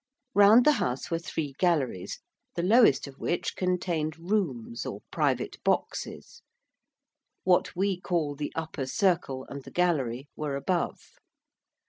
Round the house were three galleries, the lowest of which contained 'rooms' or private boxes: what we call the upper circle and the gallery were above.